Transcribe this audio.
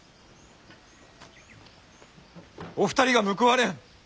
お二人が報われん。